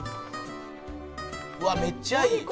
「うわっめっちゃいい」